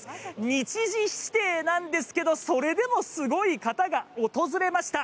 日時指定なんですけど、それでもすごい方が訪れました。